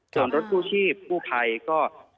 ส่วนรถกู้ชีพกู้ภัยก็